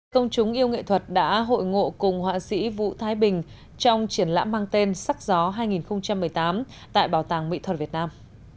công chúng yêu nghệ thuật đã hội ngộ cùng họa sĩ vũ thái bình trong triển lãm mang tên sắc gió hai nghìn một mươi tám tại bảo tàng mỹ thuật việt nam